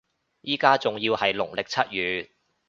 依家仲要係農曆七月